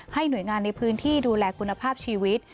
หน่วยงานในพื้นที่ดูแลคุณภาพชีวิต